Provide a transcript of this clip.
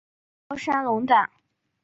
高山龙胆